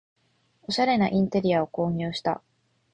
おしゃれなインテリアを購入した